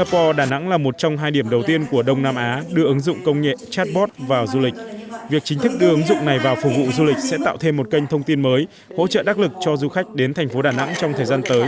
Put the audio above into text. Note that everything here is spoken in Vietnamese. sở du lịch đà nẵng fantasy city sẽ tạo thêm một kênh thông tin mới hỗ trợ đắc lực cho du khách đến thành phố đà nẵng trong thời gian tới